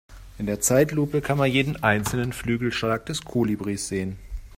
In der Zeitlupe kann man jeden einzelnen Flügelschlag des Kolibris sehen.